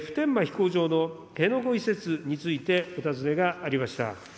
普天間飛行場の辺野古移設についてお尋ねがありました。